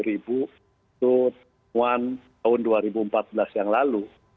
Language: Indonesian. itu temuan tahun dua ribu empat belas yang lalu